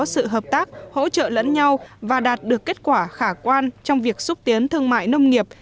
sự hợp tác hỗ trợ lẫn nhau và đạt được kết quả khả quan trong việc xúc tiến thương mại nông nghiệp